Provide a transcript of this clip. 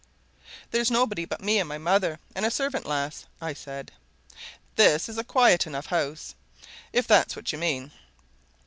"There's nobody but me and my mother, and a servant lass," I said. "This is a quiet enough house, if that's what you mean."